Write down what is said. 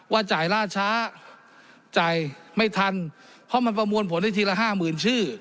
จ่ายล่าช้าจ่ายไม่ทันเพราะมันประมวลผลได้ทีละห้าหมื่นชื่อ